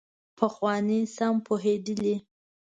پخواني سم پوهېدلي.